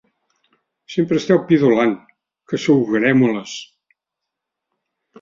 Sempre esteu pidolant, que sou grémoles!